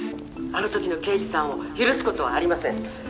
「あの時の刑事さんを許す事はありません」